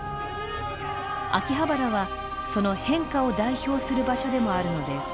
秋葉原はその変化を代表する場所でもあるのです。